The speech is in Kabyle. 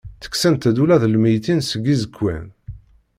Ttekksent-d ula d lmeyytin seg iẓekwan.